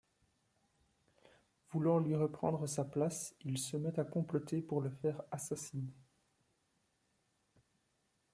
Voulant lui reprendre sa place, il se met à comploter pour le faire assassiner.